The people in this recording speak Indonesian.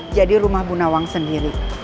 jadi rumah bu nawang sendiri